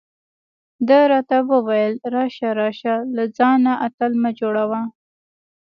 ده راته وویل: راشه راشه، له ځانه اتل مه جوړه.